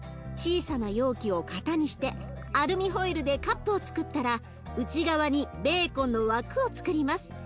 小さな容器を型にしてアルミホイルでカップをつくったら内側にベーコンの枠をつくります。